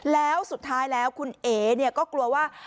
แล้วสุดท้ายแล้วคุณเอ๋ก็กลัวว่า